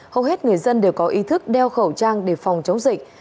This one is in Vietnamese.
hầu hết người dân đều có ý thức đeo khẩu trang để phòng chống dịch